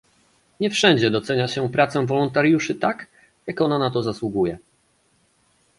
Nie wszędzie docenia się pracę wolontariuszy tak, jak ona na to zasługuje